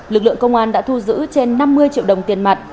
lực lượng công an đã thu giữ trên năm mươi triệu đồng tiền mặt